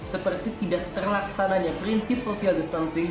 seperti tidak terlaksananya prinsip social distancing